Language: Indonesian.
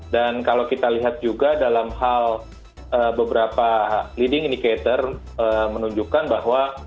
dan kalau kita lihat juga dalam hal beberapa leading indicator menunjukkan bahwa